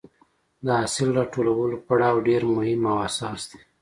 د حاصل راټولولو پړاو ډېر مهم او حساس دی.